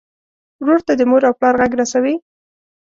ورور ته د مور او پلار غږ رسوې.